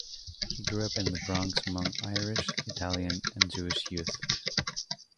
He grew up in the Bronx among Irish, Italian and Jewish youth.